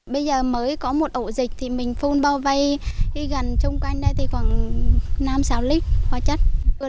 bây giờ mới có một ổ dịch thì mình phun bao vây gần chung quanh đây thì khoảng năm sáu lít hóa chất